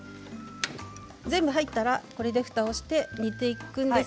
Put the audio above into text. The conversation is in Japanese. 全部入ったらこれでふたをして煮ていきます。